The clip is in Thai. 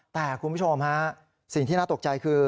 แต่คุณผู้ชมฮะสิ่งที่น่าตกใจคือ